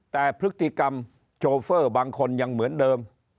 แต่พฤติกรรมโชเฟอร์บางคนยังเหมือนเดิม